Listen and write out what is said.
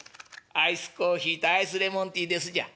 アイスコーヒーとアイスレモンティーですじゃ」。